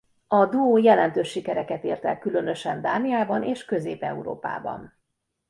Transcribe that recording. A duó jelentős sikereket ért el különösen Dániában és Közép-Európában.